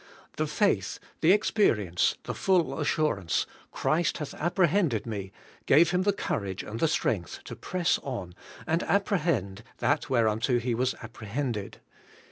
The faith, the experience, the full assurance, 'Christ hath appre hended me,' gave him the courage and the strength to press on and apprehend that whereunto he was apprehended.